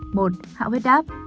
một hạ huyết áp